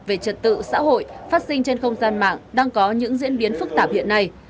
về trật tự xã hội phát sinh trên không gian mạng đang có những diễn biến phức tạp hiện nay